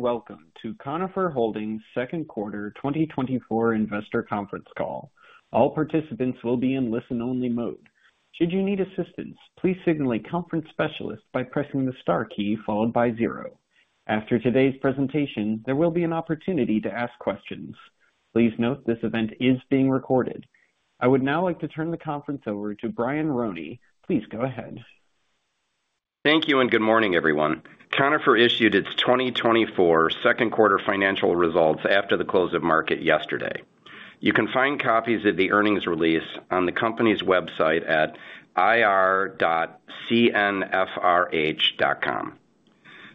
Welcome to Conifer Holdings' second quarter 2024 investor conference call. All participants will be in listen-only mode. Should you need assistance, please signal a conference specialist by pressing the star key followed by zero. After today's presentation, there will be an opportunity to ask questions. Please note this event is being recorded. I would now like to turn the conference over to Brian Roney. Please go ahead. Thank you, and good morning, everyone. Conifer issued its 2024 second quarter financial results after the close of market yesterday. You can find copies of the earnings release on the company's website at ir.cnfrh.com.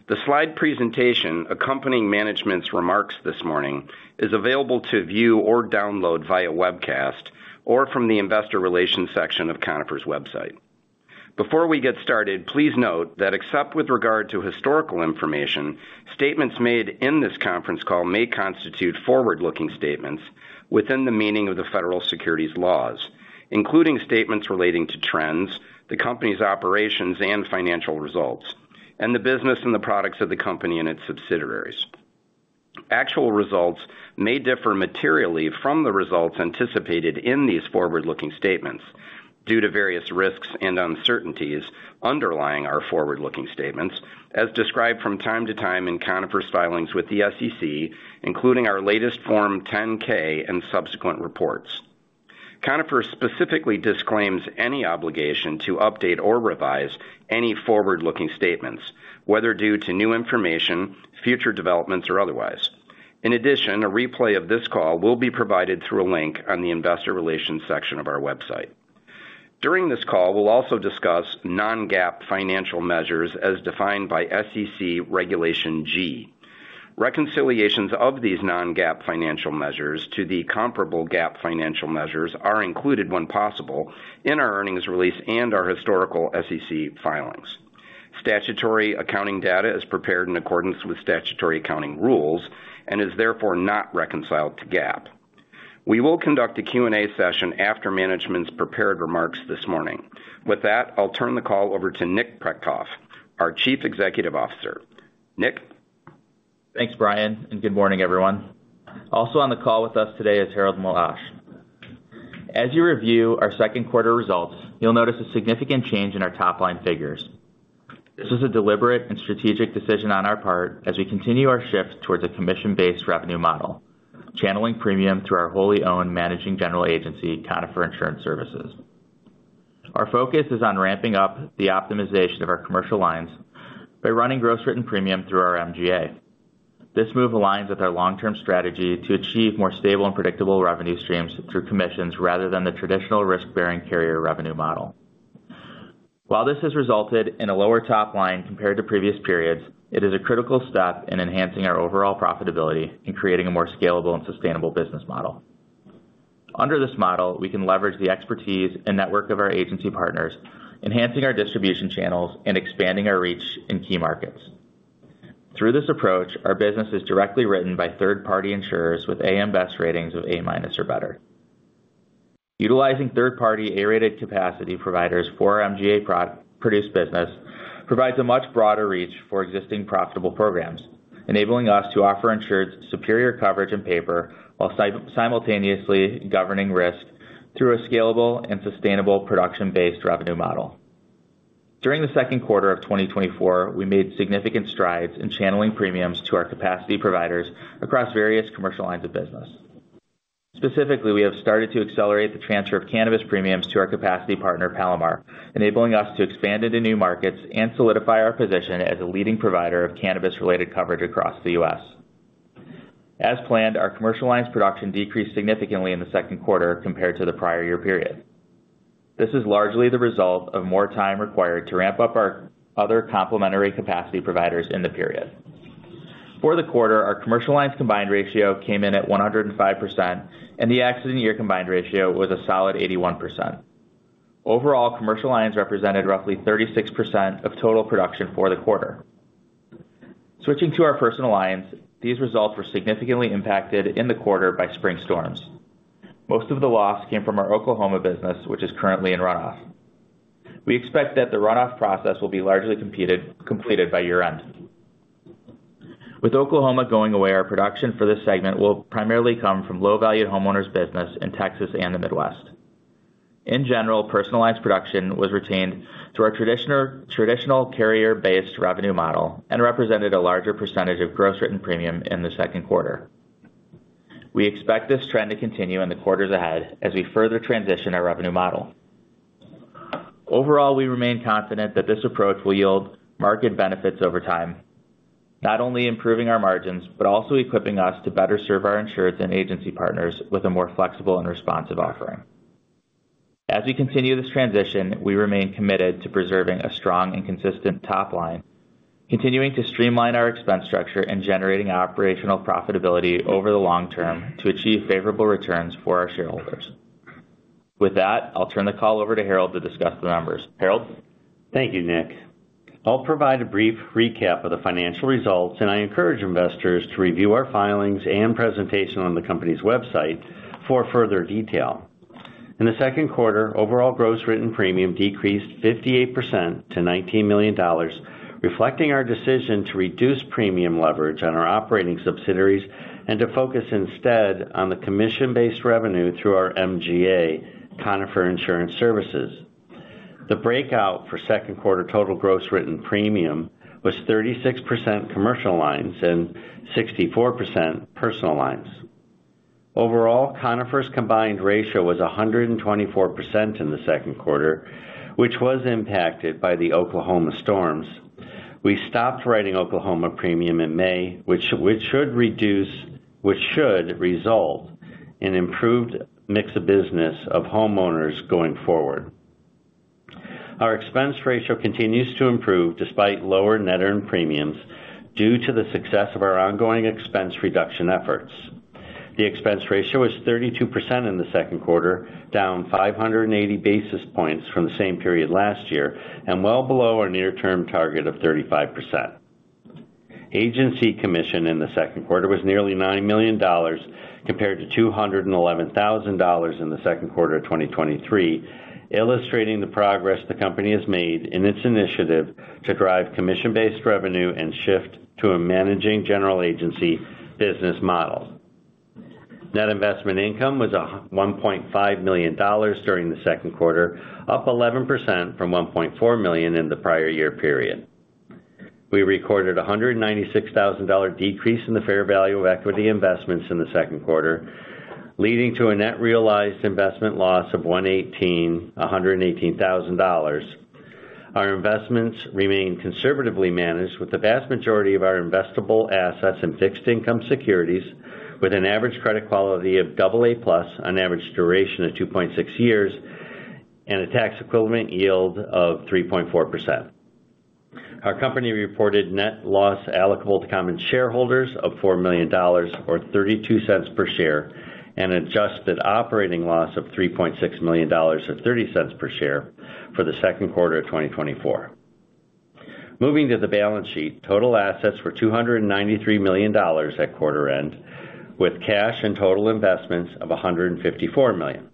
The slide presentation accompanying management's remarks this morning is available to view or download via webcast or from the investor relations section of Conifer's website. Before we get started, please note that except with regard to historical information, statements made in this conference call may constitute forward-looking statements within the meaning of the federal securities laws, including statements relating to trends, the company's operations and financial results, and the business and the products of the company and its subsidiaries. Actual results may differ materially from the results anticipated in these forward-looking statements due to various risks and uncertainties underlying our forward-looking statements, as described from time to time in Conifer's filings with the SEC, including our latest Form 10-K and subsequent reports. Conifer specifically disclaims any obligation to update or revise any forward-looking statements, whether due to new information, future developments, or otherwise. In addition, a replay of this call will be provided through a link on the investor relations section of our website. During this call, we'll also discuss non-GAAP financial measures as defined by SEC Regulation G. Reconciliations of these non-GAAP financial measures to the comparable GAAP financial measures are included when possible in our earnings release and our historical SEC filings. Statutory accounting data is prepared in accordance with statutory accounting rules and is therefore not reconciled to GAAP. We will conduct a Q&A session after management's prepared remarks this morning. With that, I'll turn the call over to Nick Petcoff, our Chief Executive Officer. Nick? Thanks, Brian, and good morning, everyone. Also on the call with us today is Harold Meloche. As you review our second quarter results, you'll notice a significant change in our top-line figures. This is a deliberate and strategic decision on our part as we continue our shift towards a commission-based revenue model, channeling premium through our wholly owned managing general agency, Conifer Insurance Services. Our focus is on ramping up the optimization of our commercial lines by running gross written premium through our MGA. This move aligns with our long-term strategy to achieve more stable and predictable revenue streams through commissions rather than the traditional risk-bearing carrier revenue model. While this has resulted in a lower top line compared to previous periods, it is a critical step in enhancing our overall profitability and creating a more scalable and sustainable business model. Under this model, we can leverage the expertise and network of our agency partners, enhancing our distribution channels and expanding our reach in key markets. Through this approach, our business is directly written by third-party insurers with AM Best ratings of A-minus or better. Utilizing third-party A-rated capacity providers for MGA produced business provides a much broader reach for existing profitable programs, enabling us to offer insureds superior coverage and paper, while simultaneously governing risk through a scalable and sustainable production-based revenue model. During the second quarter of 2024, we made significant strides in channeling premiums to our capacity providers across various commercial lines of business. Specifically, we have started to accelerate the transfer of cannabis premiums to our capacity partner, Palomar, enabling us to expand into new markets and solidify our position as a leading provider of cannabis-related coverage across the U.S. As planned, our commercial lines production decreased significantly in the second quarter compared to the prior year period. This is largely the result of more time required to ramp up our other complementary capacity providers in the period. For the quarter, our commercial lines combined ratio came in at 105%, and the accident year combined ratio was a solid 81%. Overall, commercial lines represented roughly 36% of total production for the quarter. Switching to our personal lines, these results were significantly impacted in the quarter by spring storms. Most of the loss came from our Oklahoma business, which is currently in runoff. We expect that the runoff process will be largely completed by year-end. With Oklahoma going away, our production for this segment will primarily come from low-value homeowners business in Texas and the Midwest. In general, personalized production was retained through our traditional carrier-based revenue model and represented a larger percentage of gross written premium in the second quarter. We expect this trend to continue in the quarters ahead as we further transition our revenue model. Overall, we remain confident that this approach will yield market benefits over time, not only improving our margins, but also equipping us to better serve our insureds and agency partners with a more flexible and responsive offering. As we continue this transition, we remain committed to preserving a strong and consistent top line, continuing to streamline our expense structure and generating operational profitability over the long term to achieve favorable returns for our shareholders. With that, I'll turn the call over to Harold to discuss the numbers. Harold? Thank you, Nick. I'll provide a brief recap of the financial results, and I encourage investors to review our filings and presentation on the company's website for further detail... In the second quarter, overall gross written premium decreased 58% to $19 million, reflecting our decision to reduce premium leverage on our operating subsidiaries and to focus instead on the commission-based revenue through our MGA, Conifer Insurance Services. The breakout for second quarter total gross written premium was 36% commercial lines and 64% personal lines. Overall, Conifer's combined ratio was 124% in the second quarter, which was impacted by the Oklahoma storms. We stopped writing Oklahoma premium in May, which should result in improved mix of business of homeowners going forward. Our expense ratio continues to improve despite lower net earned premiums, due to the success of our ongoing expense reduction efforts. The expense ratio is 32% in the second quarter, down 580 basis points from the same period last year, and well below our near-term target of 35%. Agency commission in the second quarter was nearly $9 million, compared to $211,000 in the second quarter of 2023, illustrating the progress the company has made in its initiative to drive commission-based revenue and shift to a managing general agency business model. Net investment income was $1.5 million during the second quarter, up 11% from $1.4 million in the prior year period. We recorded a $196,000 decrease in the fair value of equity investments in the second quarter, leading to a net realized investment loss of $118,000. Our investments remain conservatively managed, with the vast majority of our investable assets in fixed income securities, with an average credit quality of double A plus, an average duration of 2.6 years, and a tax equivalent yield of 3.4%. Our company reported net loss applicable to common shareholders of $4 million, or $0.32 per share, and adjusted operating loss of $3.6 million, or $0.30 per share, for the second quarter of 2024. Moving to the balance sheet, total assets were $293 million at quarter end, with cash and total investments of $154 million.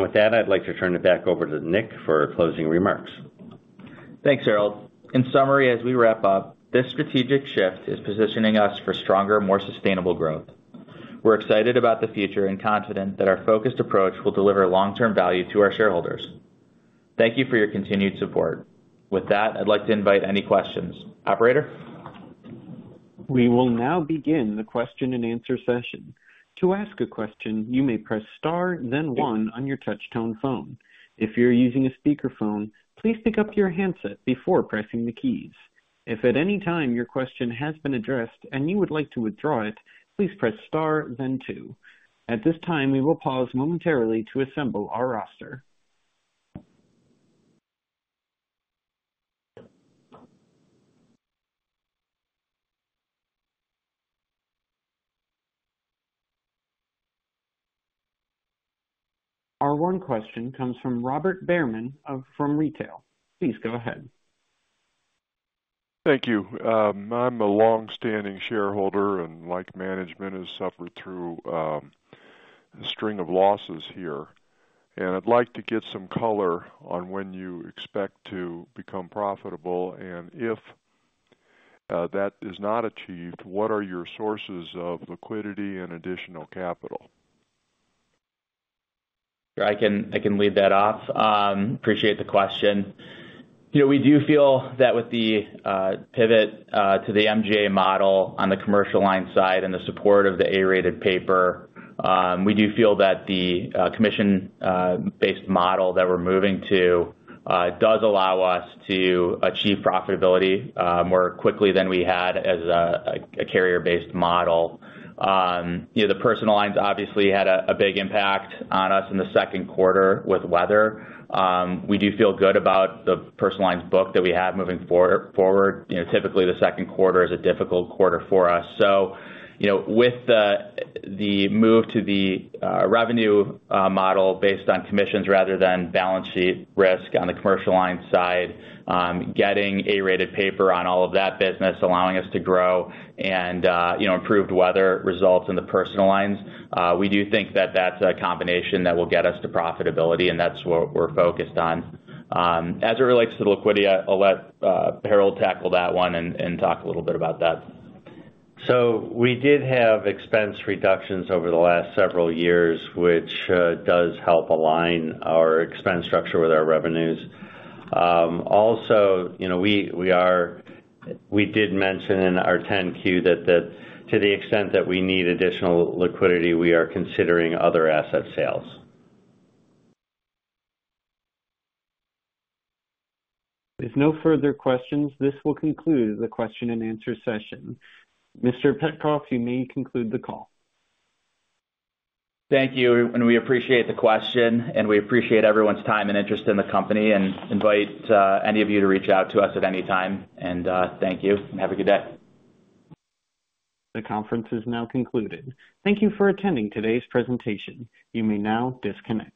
With that, I'd like to turn it back over to Nick for closing remarks. Thanks, Harold. In summary, as we wrap up, this strategic shift is positioning us for stronger, more sustainable growth. We're excited about the future and confident that our focused approach will deliver long-term value to our shareholders. Thank you for your continued support. With that, I'd like to invite any questions. Operator? We will now begin the question-and-answer session. To ask a question, you may press star then one on your touchtone phone. If you're using a speakerphone, please pick up your handset before pressing the keys. If at any time your question has been addressed and you would like to withdraw it, please press star then two. At this time, we will pause momentarily to assemble our roster. Our one question comes from Robert Bearman from retail. Please go ahead. Thank you. I'm a long-standing shareholder and, like management, has suffered through a string of losses here. I'd like to get some color on when you expect to become profitable, and if that is not achieved, what are your sources of liquidity and additional capital? I can lead that off. Appreciate the question. You know, we do feel that with the pivot to the MGA model on the commercial line side and the support of the A-rated paper, we do feel that the commission based model that we're moving to does allow us to achieve profitability more quickly than we had as a carrier-based model. You know, the personal lines obviously had a big impact on us in the second quarter with weather. We do feel good about the personal lines book that we have moving forward. You know, typically, the second quarter is a difficult quarter for us. So, you know, with the move to the revenue model based on commissions rather than balance sheet risk on the commercial lines side, getting A-rated paper on all of that business, allowing us to grow and, you know, improved weather results in the personal lines, we do think that that's a combination that will get us to profitability, and that's what we're focused on. As it relates to the liquidity, I'll let Harold tackle that one and talk a little bit about that. So we did have expense reductions over the last several years, which does help align our expense structure with our revenues. Also, you know, we are—we did mention in our 10-Q that to the extent that we need additional liquidity, we are considering other asset sales. If no further questions, this will conclude the question-and-answer session. Mr. Petcoff, you may conclude the call. Thank you, and we appreciate the question, and we appreciate everyone's time and interest in the company, and invite any of you to reach out to us at any time. Thank you, and have a good day. The conference is now concluded. Thank you for attending today's presentation. You may now disconnect.